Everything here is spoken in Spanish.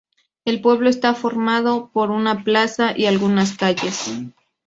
El pueblo está formado por una plaza y algunas calles.